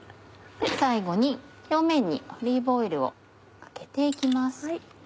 最後に表面にオリーブオイルをかけて行きます。